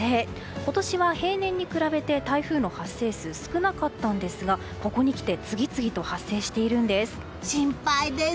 今年は平年に比べて台風の発生数が少なかったんですがここにきて心配です！